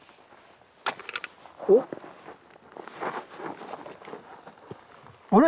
おっ！あれ！？